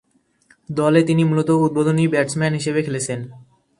দলে তিনি মূলতঃ উদ্বোধনী ব্যাটসম্যান হিসেবে খেলছেন।